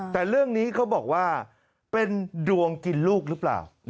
แต่เรื่องนี้เขาบอกว่าเป็นดวงกินลูกหรือเปล่า